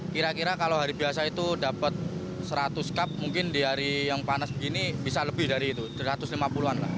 kira kira kalau hari biasa itu dapat seratus cup mungkin di hari yang panas begini bisa lebih dari itu satu ratus lima puluh an lah